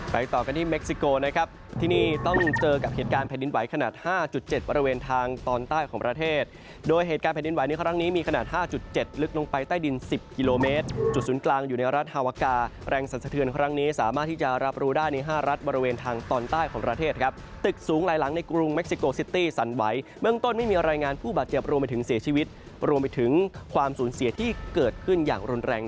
ไปต่อกันที่เม็กซิโกนะครับที่นี่ต้องเจอกับเหตุการณ์แผ่นดินไหวขนาด๕๗บริเวณทางตอนใต้ของประเทศโดยเหตุการณ์แผ่นดินไหวในครั้งนี้มีขนาด๕๗ลึกลงไปใต้ดิน๑๐กิโลเมตรจุดศูนย์กลางอยู่ในรัฐฮาวะกาแรงสันสะเทือนครั้งนี้สามารถที่จะรับรู้ได้ใน๕รัฐบริเวณทางตอนใต้ของประเ